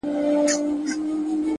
ما دي ویلي کله قبر نایاب راکه ـ